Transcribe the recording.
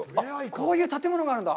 こういう建物があるんだ。